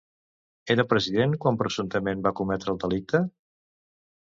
Era president quan, presumptament, va cometre el delicte?